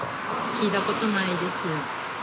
聞いたことない？